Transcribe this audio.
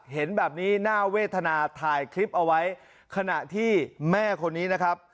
เห็นแบบนี้น่าเวทนาถ่ายคลิปเอาไว้ขณะที่แม่คนนี้นะครับ